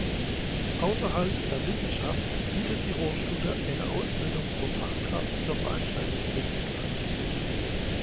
Außerhalb der Wissenschaft bietet die Hochschule eine Ausbildung zur Fachkraft für Veranstaltungstechnik an.